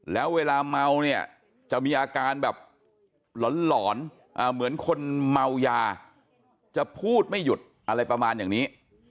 แล้วเวลาเมาเนี่ยจะมีอาการแบบหลอนเหมือนคนเมายาจะพูดไม่หยุดอะไรประมาณอย่างนี้